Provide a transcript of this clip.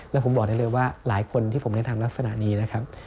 แล้วผมบอกได้เลยว่าหลายคนที่ผมได้ทำลักษณะนี้นะครับ